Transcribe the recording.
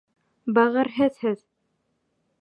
Бәғерһеҙ һеҙ!